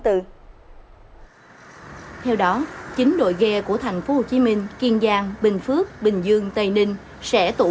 theo đó chính đội ghe của thành phố hồ chí minh kiên giang bình phước bình dương tây ninh sẽ tụ